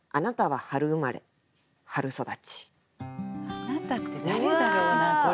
「あなた」って誰だろうなこれ。